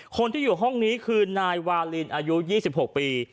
คนที่อยู่ห้องนี้คือนายวาลินอายุ๒๖ปี